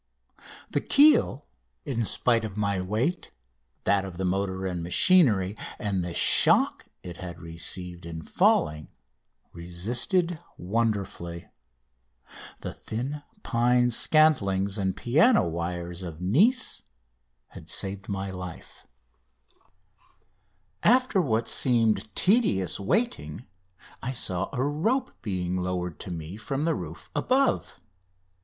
The keel, in spite of my weight, that of the motor and machinery, and the shock it had received in falling, resisted wonderfully. The thin pine scantlings and piano wires of Nice had saved my life! [Illustration: PHASE OF AN ACCIDENT] After what seemed tedious waiting I saw a rope being lowered to me from the roof above.